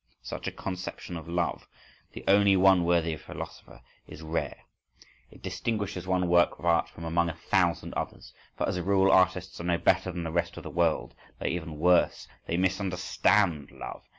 —Such a conception of love (the only one worthy of a philosopher) is rare: it distinguishes one work of art from among a thousand others. For, as a rule, artists are no better than the rest of the world, they are even worse—they misunderstand love.